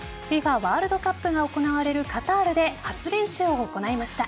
ワールドカップが行われるカタールで初練習を行いました。